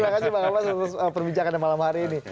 terima kasih bang abbas untuk perbincangan di malam hari ini